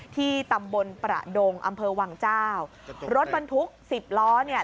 ที่ตำบลประดงอำเภอวังเจ้ารถบรรทุกสิบล้อเนี่ย